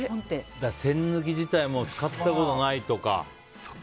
栓抜き自体使ったことがないとか。